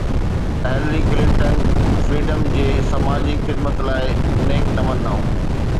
Hillary Clinton freedom جي سماجي خدمت لاءِ نيڪ تمنائون